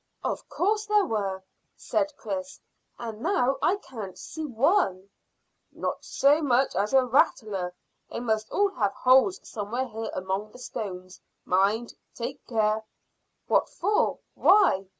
"Of course there were," said Chris, "and now I can't see one." "Not so much as a rattler. They must all have holes somewhere here among the stones. Mind! Take care!" "What for? Why?"